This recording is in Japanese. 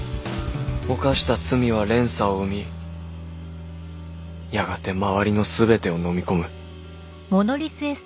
犯した罪は連鎖を生みやがて周りの全てをのみ込む